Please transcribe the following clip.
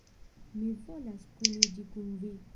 Mi volas kuniĝi kun vi!